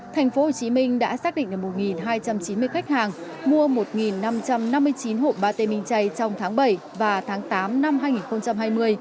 thành phố hồ chí minh đã xác định là một hai trăm chín mươi khách hàng mua một năm trăm năm mươi chín hộp ba t minh chay trong tháng bảy và tháng tám năm hai nghìn hai mươi